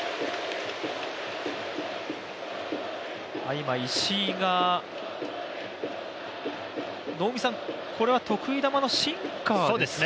今、石井がこれは得意玉のシンカーですか？